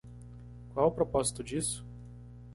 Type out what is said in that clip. Qual o propósito disso?